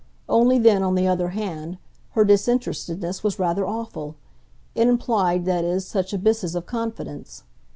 Only then, on the other hand, her disinterestedness was rather awful it implied, that is, such abysses of confidence.